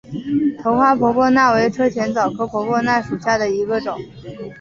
头花婆婆纳为车前草科婆婆纳属下的一个种。